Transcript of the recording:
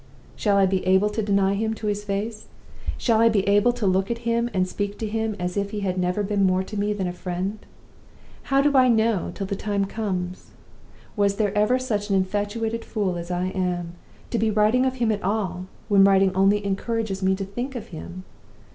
"Shall I be able to deny him to his face? Shall I be able to look at him and speak to him as if he had never been more to me than a friend? How do I know till the time comes? Was there ever such an infatuated fool as I am, to be writing of him at all, when writing only encourages me to think of him?